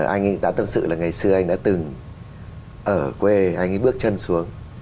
anh ấy đã tâm sự là ngày xưa anh ấy đã từng ở quê anh ấy bước chân xuống